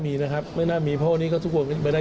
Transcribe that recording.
มีประเด็นเรื่องของถุงขนม๒ล้าน